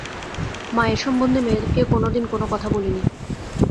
মায়ের সম্বন্ধে মেয়েকে কোনোদিন কোনো কথা বলিনি।